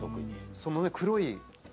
そのね黒い。